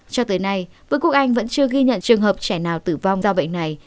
cho tới nay vương quốc anh vẫn chưa ghi nhận trường hợp trẻ nào tử vong do bệnh này